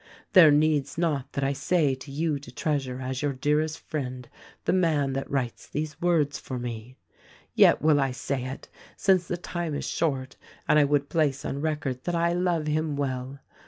"There needs not that I say to you to treasure as your THE RECORDING ANGEL 241 dearest friend the man that writes these words for me. Yet will I say it, since the time is short and I would place on record that I love him well.